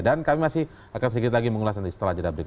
dan kami masih akan sedikit lagi mengulas nanti setelah jadwal berikut